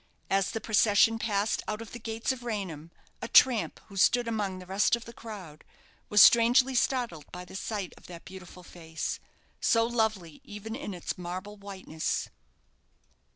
As the procession passed out of the gates of Raynham, a tramp who stood among the rest of the crowd, was strangely startled by the sight of that beautiful face, so lovely even in its marble whiteness.